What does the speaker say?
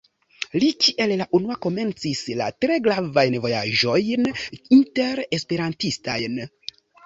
Li kiel la unua komencis la tre gravajn vojaĝojn inter-Esperantistajn.